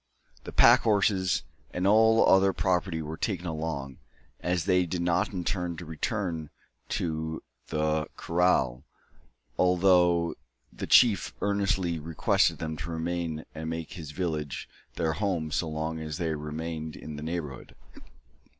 The pack horses and all other property were taken along, as they did not intend to return to the kraal, although the chief earnestly requested them to remain and make his village their home so long as they remained in the neighbourhood.